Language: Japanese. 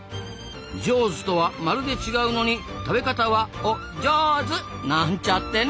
「ジョーズ」とはまるで違うのに食べ方はお「ジョーズ」！なんちゃってね！